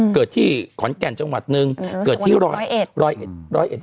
เกิดที่ขอนแก่นจังหวัดหนึ่งเกิดที่ร้อยเอ็ดร้อยเอ็ดร้อยเอ็ด